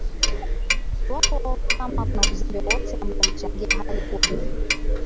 iwapo kama kuna uzembe wowote ambao umechangia hali kuwa hivyo